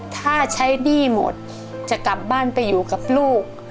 ถ้าใช้หนี้หมดจะกลับบ้านไปอยู่กับลูก